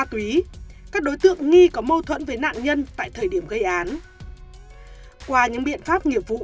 các đối tượng nghi có mâu thuẫn với nạn nhân tại thời điểm gây án qua những biện pháp nghiệp vụ